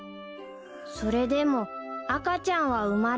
［それでも赤ちゃんは生まれてきたんだ］